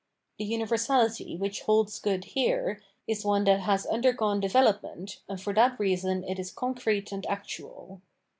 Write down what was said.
The universality which holds good here, however, is one that has undergone development, and for that reason it is concrete and actual.